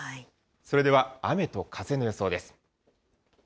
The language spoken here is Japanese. それでは雨と風の予想です。